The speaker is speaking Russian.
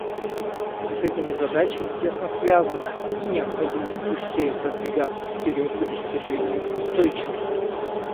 С этими задачами тесно связана и необходимость быстрее продвигаться вперед к достижению устойчивости.